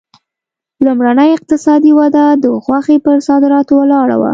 لومړنۍ اقتصادي وده د غوښې پر صادراتو ولاړه وه.